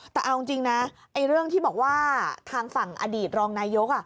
แต่เอาจริงนะเรื่องที่บอกว่าทางฝั่งอดีตรองนายก